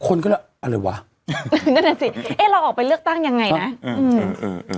คนก็แล้วอะไรวะนั่นน่ะสิเอ๊ะเราออกไปเลือกตั้งยังไงนะอืมเออ